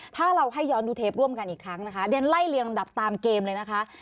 ถ้าเราให้ย้อนดูเทปร่วมกันอีกครั้งนะคะเรียนไล่เรียงลำดับตามเกมเลยนะคะ